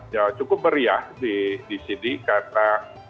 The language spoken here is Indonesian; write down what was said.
ya cukup meriah di sini karena